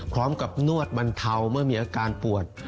พร้อมกับนวดบรรเทาเมื่อมีอาการปวด